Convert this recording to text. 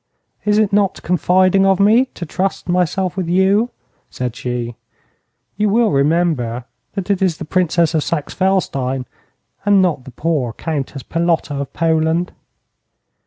'Is it not confiding of me to trust myself with you?' said she. 'You will remember that it is the Princess of Saxe Felstein and not the poor Countess Palotta of Poland.'